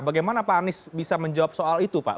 bagaimana pak anies bisa menjawab soal itu pak